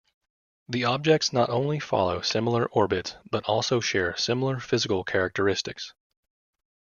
The objects not only follow similar orbits but also share similar physical characteristics.